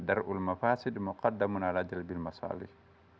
darul mafasi dumaqadda munalajal bilmasalih